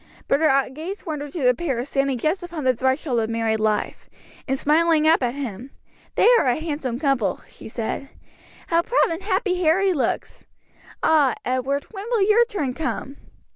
But her gaze wandered to the pair standing just upon the threshold of married life; and smiling up at him, "They are a handsome couple," she said; "how proud and happy Harry looks! Ah, Edward, when will your turn come?"